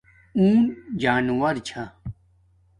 اونٹ جانوور چھا